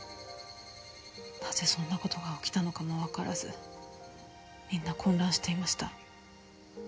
なぜそんな事が起きたのかもわからずみんな混乱していました。